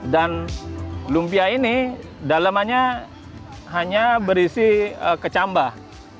dan lumpia ini dalamnya hanya berisi kecambah